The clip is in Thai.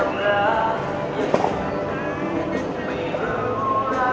ขอบคุณทุกคนมากครับที่ทุกคนรัก